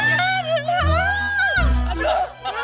ya allah bang